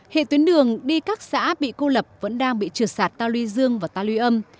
hệ tuyến đường đi các xã bị cô lập vẫn đang bị trượt sạt ta luy dương và ta lưu âm